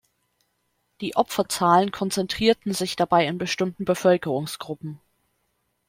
Die Opferzahlen konzentrierten sich dabei in bestimmten Bevölkerungsgruppen.